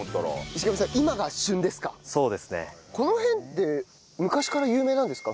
この辺って昔から有名なんですか？